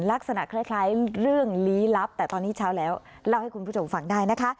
ลักษณะคล้ายเรื่องลี้ลับแต่ตอนนี้เช้าแล้วเล่าให้คุณผู้ชมฟังได้นะคะ